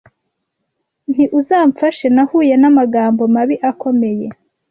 nti uzamfashe, nahuye n’amagambo mabi akomeye